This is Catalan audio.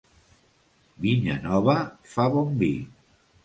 Vinya nova fa bon vi.